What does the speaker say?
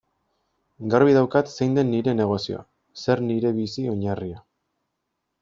Garbi daukat zein den nire negozioa, zer nire bizi-oinarria.